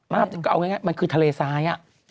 มันคือทะเลทราย